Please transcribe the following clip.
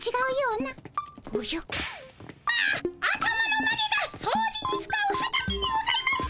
頭のマゲがそうじに使うはたきにございます。